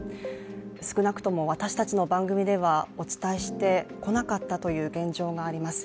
少なくとも私たちの番組ではお伝えしてこなかったという現状があります。